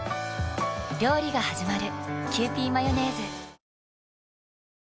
料理がはじまる。